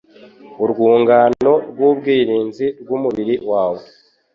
urwungano rw'ubwirinzi bw'umubiri wawe